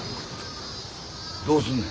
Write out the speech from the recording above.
どうすんねや？